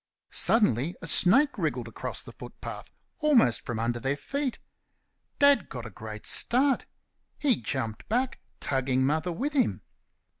Suddenly a snake wriggled across the footpath, almost from under their feet. Dad got a great start. He jumped back, tugging Mother with him.